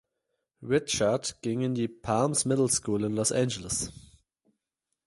Ri’chard ging in die "Palms middle school" in Los Angeles.